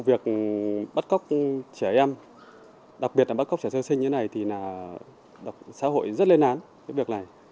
việc bắt cóc trẻ em đặc biệt là bắt cóc trẻ sơ sinh như thế này thì là xã hội rất lên án cái việc này